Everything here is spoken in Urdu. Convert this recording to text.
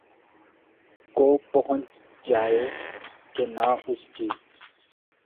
کو پہنچ جائے کہ نہ اس کی